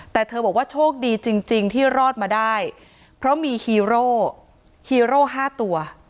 แต่เธอบอกว่าโชคดีจริงที่รอดมาได้เพราะมีฮีโร่ฮีโร่๕ตัว